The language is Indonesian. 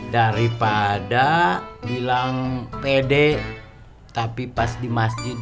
daripada bilang pede tapi pas di masjid